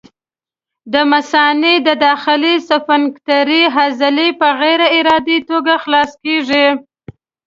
د مثانې د داخلي سفنکترې عضلې په غیر ارادي توګه خلاصه کېږي.